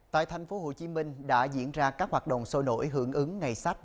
tại tp hcm đã diễn ra các hoạt động sôi nổi hưởng ứng ngày sách